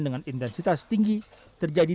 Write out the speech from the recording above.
dengan intensitas tinggi terjadi